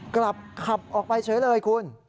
กลับขับออกไปเฉยเลยคุณ